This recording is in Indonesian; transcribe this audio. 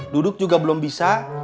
duduk juga belum bisa